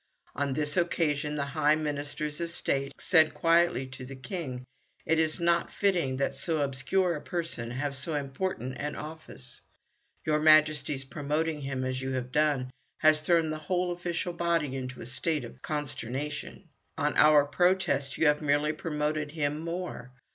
On this occasion the high Ministers of State said quietly to the King, "It is not fitting that so obscure a person have so important an office. Your Majesty's promoting him as you have done has thrown the whole official body into a state of consternation. On our protest you have merely promoted him more.